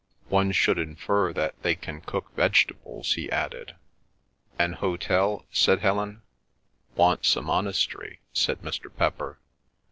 "One should infer that they can cook vegetables," he added. "An hotel?" said Helen. "Once a monastery," said Mr. Pepper.